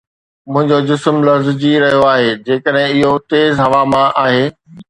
منهنجو جسم لرزجي رهيو آهي جيڪڏهن اهو تيز هوا مان آهي